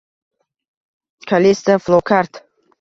Kalista Flokart